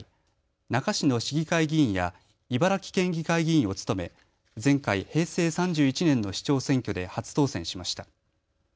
那珂市の市議会議員や茨城県議会議員を務め前回・平成３１年の市長選挙で初当選しました。